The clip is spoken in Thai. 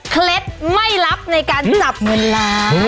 เคล็ดไม่ลับในการจับเงินล้าน